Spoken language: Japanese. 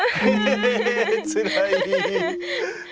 つらいー！